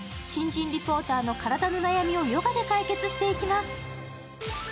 新人リポーターの体の悩みをヨガで解決していきます。